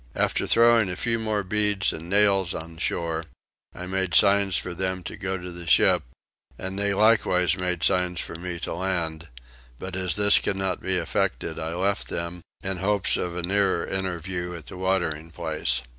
After throwing a few more beads and nails on shore I made signs for them to go to the ship, and they likewise made signs for me to land, but as this could not be effected I left them, in hopes of a nearer interview at the watering place.